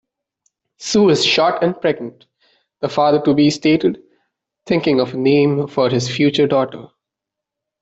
"Sue is short and pregnant", the father-to-be stated, thinking of a name for his future daughter.